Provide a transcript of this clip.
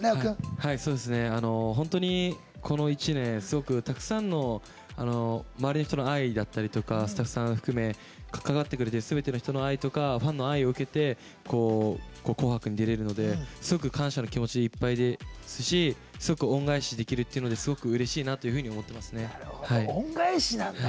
本当に、この１年すごく、たくさんの周りの人の愛だったりとかスタッフさん含め関わってくれてるすべての人の愛とかファンの愛を受けて「紅白」に出られるのですごく感謝の気持ちでいっぱいですし恩返しできるっていうのがすごくうれしいなと思っていますね。